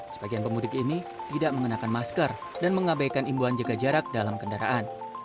sebagian pemudik ini tidak mengenakan masker dan mengabaikan imbuan jaga jarak dalam kendaraan